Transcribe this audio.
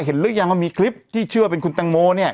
หรือยังว่ามีคลิปที่เชื่อว่าเป็นคุณตังโมเนี่ย